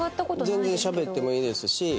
全然しゃべってもいいですし